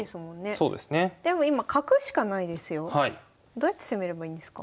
どうやって攻めればいいんですか？